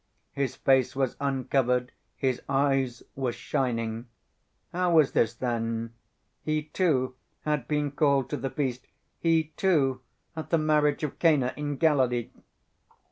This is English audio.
His face was uncovered, his eyes were shining. How was this, then? He, too, had been called to the feast. He, too, at the marriage of Cana in Galilee....